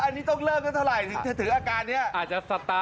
อันนี้ต้องเริ่มกันเท่าไหร่ถึงถืออาการเนี้ยอาจจะ